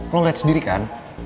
lo liat sendiri kan